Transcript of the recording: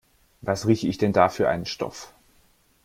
Was rieche ich denn da für einen Stoff?